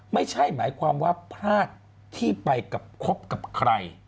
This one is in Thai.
ไม่ใช่หมายความว่าพลาดที่ไปกับคบกับใคร